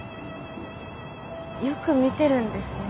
よく見てるんですね。